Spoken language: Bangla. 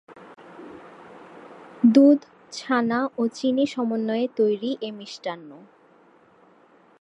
দুধ, ছানা ও চিনি সমন্বয়ে তৈরি এ মিষ্টান্ন।